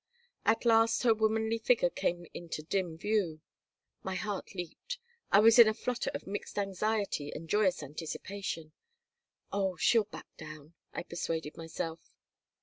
At last her womanly figure came into dim view. My heart leaped. I was in a flutter of mixed anxiety and joyous anticipation. "Oh, she'll back down," I persuaded myself.